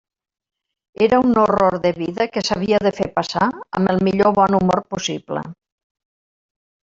Era un horror de vida que s'havia de fer passar amb el millor bon humor possible.